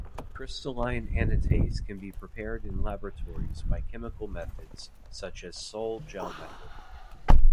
Crystalline anatase can be prepared in laboratories by chemical methods such as sol-gel method.